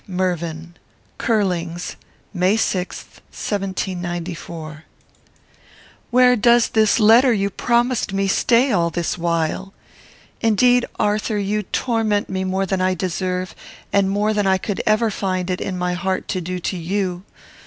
Mervyn._ CURLING'S, May 6, 1794. Where does this letter you promised me stay all this while? Indeed, Arthur, you torment me more than I deserve, and more than I could ever find it in my heart to do you.